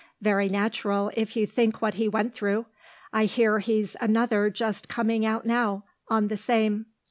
Very natural, if you think what he went through. I hear he's another just coming out now, on the same."